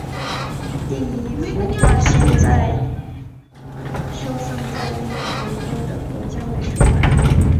第一幅画现在收藏在英国伦敦的国家美术馆中。